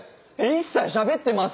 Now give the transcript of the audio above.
一切しゃべってません！